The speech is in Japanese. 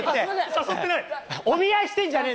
誘ってない。